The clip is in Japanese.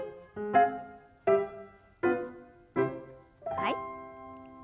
はい。